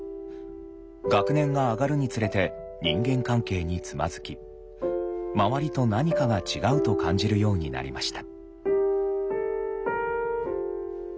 学年が上がるにつれて人間関係につまずき「周りと何かが違う」と感じるようになりました。